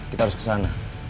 kita harus kesana